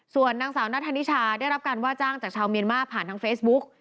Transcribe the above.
ส่วนนางสาวนัทธนิชาได้รับการว่าจ้างจากชาวเมียนมาร์ผ่านทางเฟซบุ๊ก